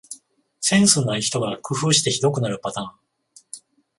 センスない人が工夫してひどくなるパターン